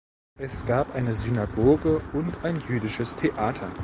Es gab eine Synagoge und ein jüdisches Theater.